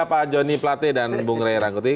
pak jonny plate dan bung rai rangkuti